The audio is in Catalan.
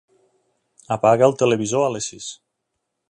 Apaga el televisor a les sis.